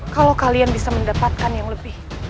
kalau kalian bisa mendapatkan yang lebih